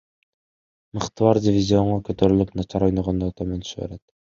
Мыктылар дивизионго көтөрүлүп, начар ойногондор төмөн түшө берет.